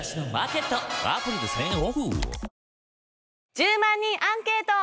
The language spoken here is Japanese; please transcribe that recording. １０万人アンケート。